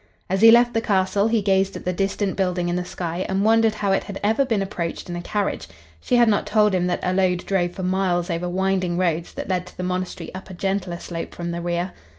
As he left the castle he gazed at the distant building in the sky and wondered how it had ever been approached in a carriage. She had not told him that Allode drove for miles over winding roads that led to the monastery up a gentler slope from the rear.